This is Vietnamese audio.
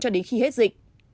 cho đến khi hết dịch